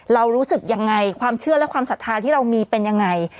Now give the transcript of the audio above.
รู้สึกยังไงความเชื่อและความศรัทธาที่เรามีเป็นยังไง